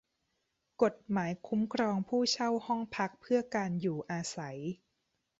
กฎหมายคุ้มครองผู้เช่าห้องพักเพื่อการอยู่อาศัย